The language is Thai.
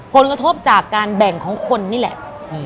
ผลกระทบจากการแบ่งของคนนี่แหละ